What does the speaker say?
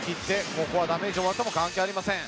ここはダメージを負っても関係ありません。